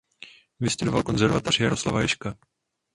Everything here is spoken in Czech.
Vystudoval Konzervatoř Jaroslava Ježka.